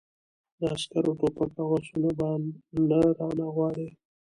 د عسکرو ټوپک او آسونه به نه رانه غواړې!